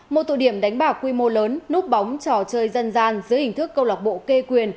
một tội điểm đánh bảo quy mô lớn núp bóng trò chơi dân gian dưới hình thức câu lọc bộ kê quyền